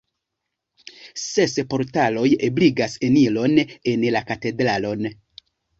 Ses portaloj ebligas eniron en la katedralon.